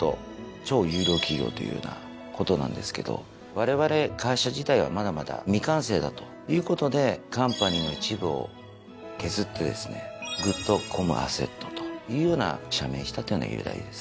超優良企業というようなことなんですけどわれわれ会社自体はまだまだ未完成だということで「Ｃｏｍｐａｎｙ」の一部を削ってですね「ＧｏｏｄＣｏｍＡｓｓｅｔ」というような社名にしたっていうのが由来です。